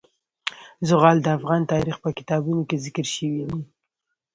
زغال د افغان تاریخ په کتابونو کې ذکر شوی دي.